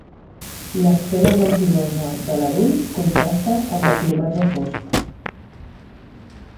L'esquena blanquinosa de l'adult contrasta amb el plomatge fosc.